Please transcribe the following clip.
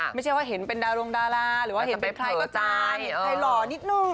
ไม่ใช่ว่าเห็นเป็นดารงดาราหรือว่าเห็นเป็นใครก็ใจเห็นใครหล่อนิดนึง